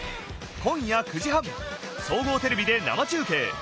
今夜９時半、総合テレビで生中継。